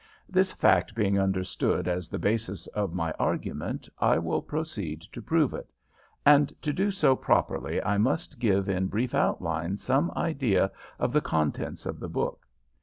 This fact being understood as the basis of my argument, I will proceed to prove it; and to do so properly I must give in brief outline some idea of the contents of the book.